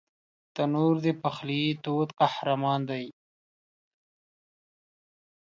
تنور د پخلي تود قهرمان دی